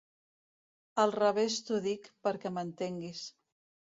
Al revés t'ho dic, perquè m'entenguis.